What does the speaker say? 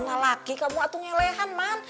nalaki kamu atuh ngelehan man